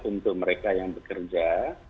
untuk mereka yang bekerja